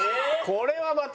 これはまた。